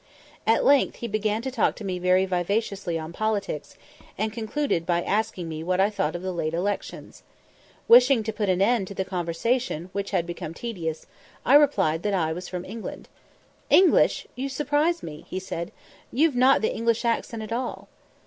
At length he began to talk to me very vivaciously on politics, and concluded by asking me what I thought of the late elections. Wishing to put an end to the conversation, which had become tedious, I replied that I was from England. "English! you surprise me!" he said; "you've not the English accent at all."